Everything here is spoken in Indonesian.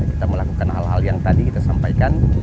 kita melakukan hal hal yang tadi kita sampaikan